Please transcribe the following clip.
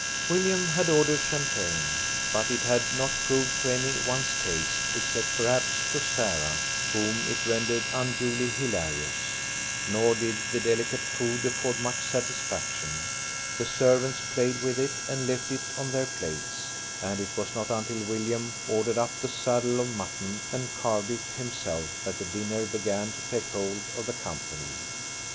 William had ordered champagne, but it had not proved to any one's taste except, perhaps, to Sarah, whom it rendered unduly hilarious; nor did the delicate food afford much satisfaction; the servants played with it, and left it on their plates; and it was not until William ordered up the saddle of mutton and carved it himself that the dinner began to take hold of the company.